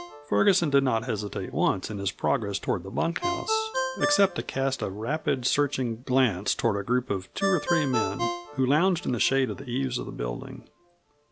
Ferguson did not hesitate once in his progress toward the bunkhouse, except to cast a rapid, searching glance toward a group of two or three men who lounged in the shade of the eaves of the building.